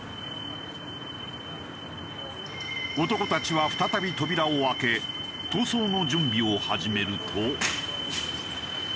男たちは再び扉を開け逃走の準備を始めると。